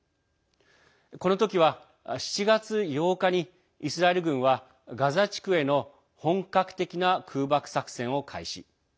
この時は、７月８日にイスラエル軍はガザ地区への本格的な空爆作戦を開始